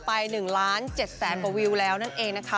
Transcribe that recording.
๑ล้าน๗แสนกว่าวิวแล้วนั่นเองนะคะ